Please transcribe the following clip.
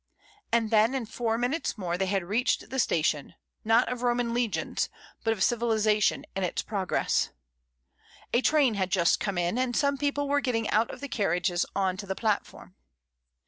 And then in foiu minutes more they had reached the station, not of Roman legions, but of civilisation in its pro gress. A train had just come in, and some people were getting out of the carriages on to the platform.